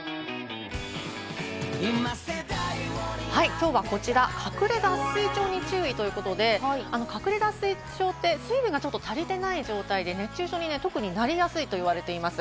きょうはこちら、隠れ脱水症に注意ということで、隠れ脱水症って水分がちょっと足りてない状態で熱中症に特になりやすいと言われています。